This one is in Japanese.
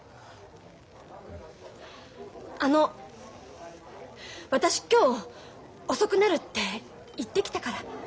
あの私今日遅くなるって言ってきたから。